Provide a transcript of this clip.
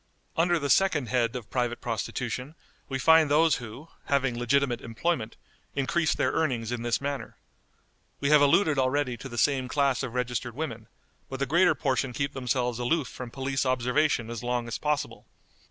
Under the second head of private prostitution we find those who, having legitimate employment, increase their earnings in this manner. We have alluded already to the same class of registered women, but the greater portion keep themselves aloof from police observation as long as possible.